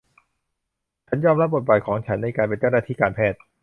ฉันยอมรับบทบาทของฉันในการเป็นเจ้าหน้าที่การแพทย์